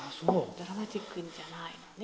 ドラマチックにじゃないのね。